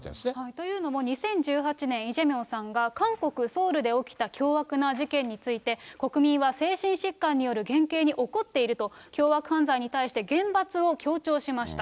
というのも、２０１８年、イ・ジェミョンさんが韓国・ソウルで起きた凶悪な事件について、国民は精神疾患による減刑に怒っていると、凶悪犯罪に対して、厳罰を強調しました。